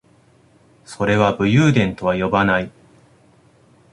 それは武勇伝とは呼ばない